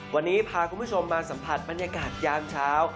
วันนี้พาคุณผู้ชมมาสัมผัสบรรยากาศยามเช้า